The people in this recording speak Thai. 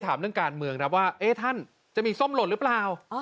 ถามเรื่องการเมืองละว่าเอ๊ท่านจะมีล่อหรือเปล่า